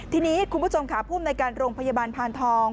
ทีนี้คุณผู้ชมขาพุ่มในการโรงพยาบาลพานทอง